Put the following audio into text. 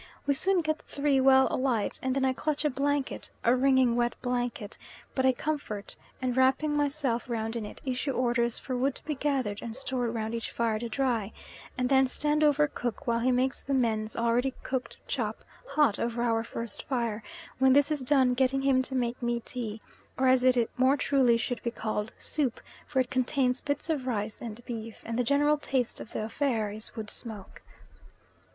We soon get three well alight, and then I clutch a blanket a wringing wet blanket, but a comfort and wrapping myself round in it, issue orders for wood to be gathered and stored round each fire to dry, and then stand over Cook while he makes the men's already cooked chop hot over our first fire, when this is done getting him to make me tea, or as it more truly should be called, soup, for it contains bits of rice and beef, and the general taste of the affair is wood smoke.